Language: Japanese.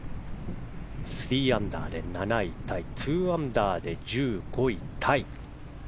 ３アンダーで７位タイ２アンダーで１５位タイ。